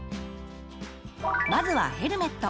まずはヘルメット。